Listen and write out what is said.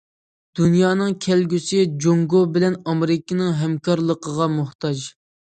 دۇنيانىڭ كەلگۈسى جۇڭگو بىلەن ئامېرىكىنىڭ ھەمكارلىقىغا موھتاج.